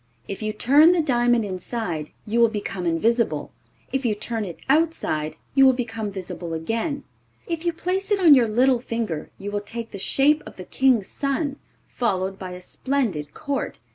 If you turn the diamond inside, you will become invisible. If you turn it outside, you will become visible again. If you place it on your little finger, you will take the shape of the King's son, followed by a splendid court.